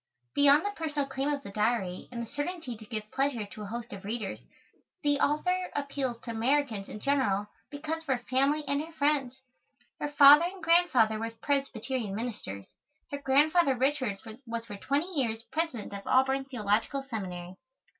Beyond the personal claim of the Diary and the certainty to give pleasure to a host of readers, the author appeals to Americans in general because of her family and her friends. Her father and grandfather were Presbyterian ministers. Her Grandfather Richards was for twenty years President of Auburn Theological Seminary.